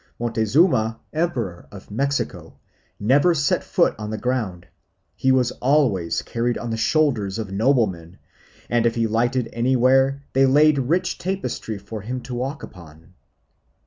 Montezuma, emperor of Mexico, never set foot on the ground; he was always carried on the shoulders of noblemen, and if he lighted anywhere they laid rich tapestry for him to walk upon.